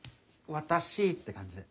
「私ぃ」って感じで。